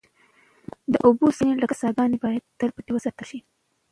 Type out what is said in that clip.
د اوبو سرچینې لکه څاګانې باید تل پټې وساتل شي.